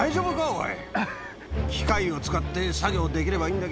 おい。